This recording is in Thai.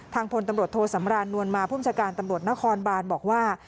พลตำรวจโทสำรานนวลมาผู้บัญชาการตำรวจนครบานบอกว่า